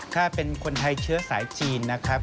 ถ้าเป็นคนไทยเชื้อสายจีนนะครับ